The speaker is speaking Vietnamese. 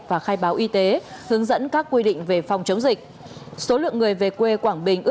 và khai báo y tế hướng dẫn các quy định về phòng chống dịch